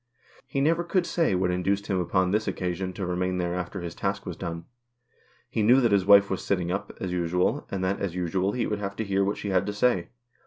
He never could say what induced him upon this occasion to remain there after his task was done. He knew that his wife was sitting up, as usual, and that, as usual, he would have to hear what she had to say.